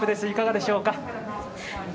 いかがでしょうか。